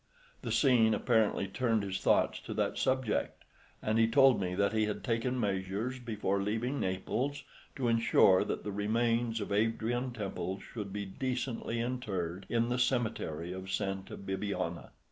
The scene apparently turned his thoughts to that subject, and he told me that he had taken measures before leaving Naples to ensure that the remains of Adrian Temple should be decently interred in the cemetery of Santa Bibiana.